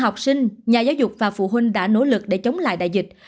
tại giáo dục và phụ huynh đã nỗ lực để chống lại đại dịch